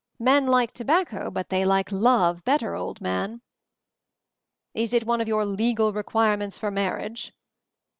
Men like tobacco, but they like love better, old man." "Is it one of your legal requirements for marriage?"